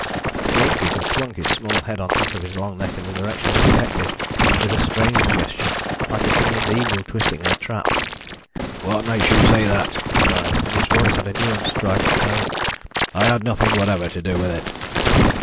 The innkeeper swung his small head on the top of his long neck in the direction of the detective, with a strange gesture, like a pinioned eagle twisting in a trap. "What makes you say that!" he cried, and his voice had a new and strident note. "I had nothing whatever to do with it."